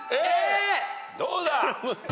どうだ？